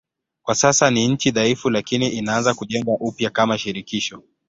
Kwa sasa ni nchi dhaifu lakini inaanza kujengwa upya kama shirikisho.